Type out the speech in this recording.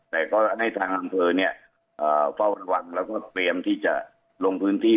แต่ก็ให้ทางอำเภอเนี่ยเฝ้าระวังแล้วก็เตรียมที่จะลงพื้นที่